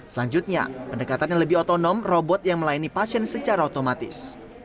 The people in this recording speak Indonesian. selanjutnya pendekatan yang lebih otonom robot yang melayani pasien secara otomatis